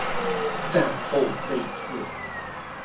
战后废寺。